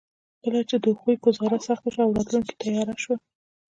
کله چې د هغوی ګوزاره سخته شوه او راتلونکې تياره شوه.